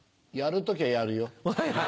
やるときゃやるよ。